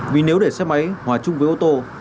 vì nếu để xe máy hòa chung với ô tô